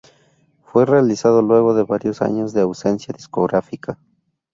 Fue realizado luego de varios años de ausencia discográfica.